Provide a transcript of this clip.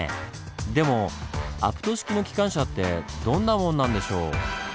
でもアプト式の機関車ってどんなもんなんでしょう？